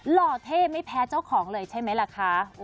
หล่อเท่ไม่แพ้เจ้าของเลยใช่ไหมล่ะคะ